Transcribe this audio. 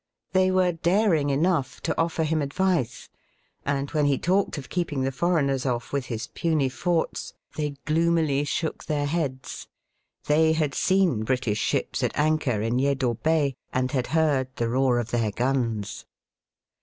They were daring enough to offer him advice, and when he talked of keeping the foreigners off with his puny forts, they gloomily Digitized by VjOOQIC 22 EAST BY WEST. shook their heads. They had seen British ships at anchor in Tedo Bay, and had heard the roar of their guns.